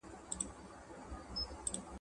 د کېږدۍ تر ماښامونو د ګودر ترانې وړمه `